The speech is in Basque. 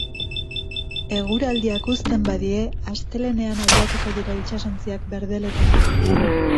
Eguraldiak uzten badie, astelehenean abiatuko dira itsaontziak berdeletara.